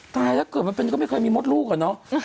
ตายแล้วเกิดมันเป็นก็ไม่เคยมีมดลูกอะเนาะ